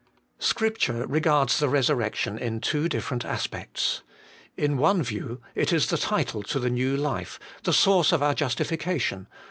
7. Scripture regards the resurrection in two different aspects. In one view, it Is the title to the new life, the source of our justification.